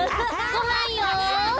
ごはんよ！